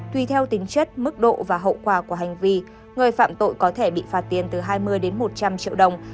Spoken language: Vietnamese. tùy theo tính chất mức độ và hậu quả của hành vi người phạm tội có thể bị phạt tiền từ hai mươi đến một trăm linh triệu đồng